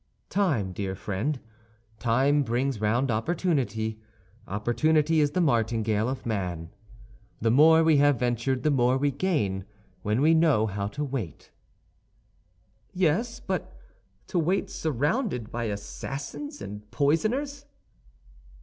"Time, dear friend, time brings round opportunity; opportunity is the martingale of man. The more we have ventured the more we gain, when we know how to wait." "Yes; but to wait surrounded by assassins and poisoners."